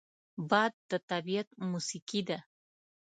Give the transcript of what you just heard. باد د طبیعت موسیقي ده